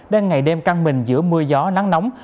đang ngày đêm căng mình giữa mưa gió nắng nóng